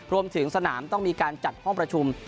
รวมถึงสนามต้องมีการจัดห้องประชุม